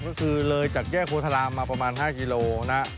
ก็คือเลยจากแยกโพธารามมาประมาณ๕กิโลนะ